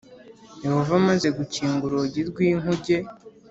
Yehova amaze gukinga urugi rw’ inkuge